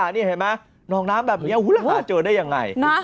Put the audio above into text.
นี่หนองน้ำแบบนี้หูละก็เจอได้ยังไง